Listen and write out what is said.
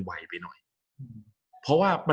กับการสตรีมเมอร์หรือการทำอะไรอย่างเงี้ย